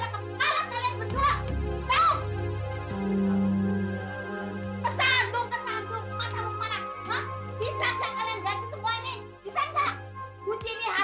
buci ini harganya lebih mahal daripada mobilmu tau